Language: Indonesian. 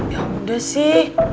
ya udah sih